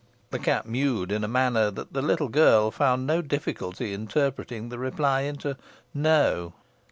The cat mewed in a manner that the little girl found no difficulty in interpreting the reply into "No."